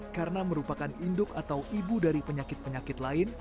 karena merupakan induk atau ibu dari penyakit penyakit lain